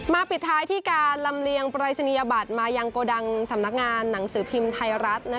ปิดท้ายที่การลำเลียงปรายศนียบัตรมายังโกดังสำนักงานหนังสือพิมพ์ไทยรัฐ